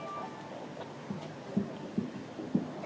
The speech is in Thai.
สมัคร